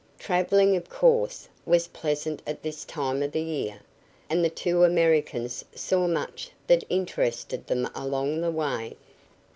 Traveling, of course, was pleasant at this time of the year, and the two Americans saw much that interested them along the way.